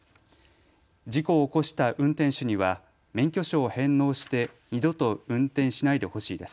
事故を起こした運転手には免許証を返納して二度と運転しないでほしいです。